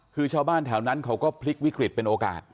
คือชาวบ้านแถวนั้นเขาก็พลิกวิกฤตเป็นโอกาส